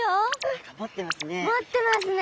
何か持ってますね。